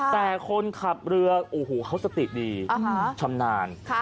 แต่คนขับเรือโอ้โหเขาสติดีชำนาญ